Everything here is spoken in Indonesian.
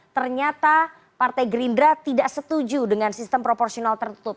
ternyata partai gerindra tidak setuju dengan sistem proporsional tertutup